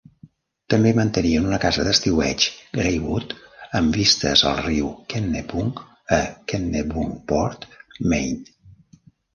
També mantenien una casa d'estiueig, "Greywood", amb vistes al riu Kennebunk a Kennebunkport, Maine.